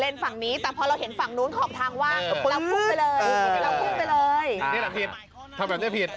นี่แหละผิดทำแบบนี้ผิด